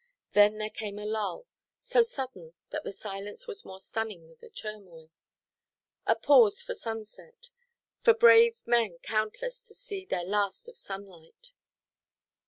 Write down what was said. Then there came a lull. So sudden that the silence was more stunning than the turmoil. A pause for sunset; for brave men countless to see their last of sunlight.